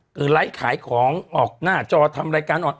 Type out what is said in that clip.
คือไลค์ขายของออกหน้าจอทำรายการ